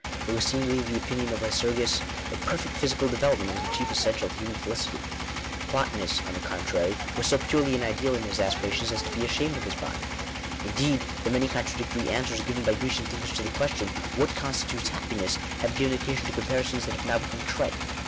It was seemingly the opinion of Lycurgus that perfect phy sical development was the chief essential to human felicity ; Plotinus, on the contrary, was so purely ideal in his aspirations as to be ashamed of his body. Indeed the many con tradictory answers given by Grecian thinkers to the ques tion — What constitutes happiness ? have given occasion to comparisons that have now become trite.